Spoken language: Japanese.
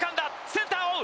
センター追う！